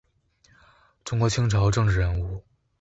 中国清朝政治人物。